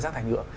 giác thải nhựa